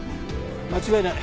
間違いない。